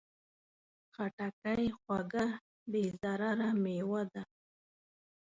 خټکی خوږه، بې ضرره مېوه ده.